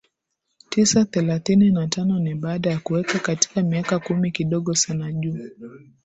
tisa thelathini na tano ni baada ya kuweka katika miaka kumi Kidogo sana juu